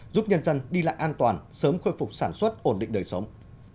giúp nhân dân đi lại an toàn sớm khôi phục sản xuất ổn định đời sống